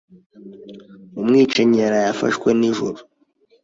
Umwicanyi yaraye afashwe nijoro.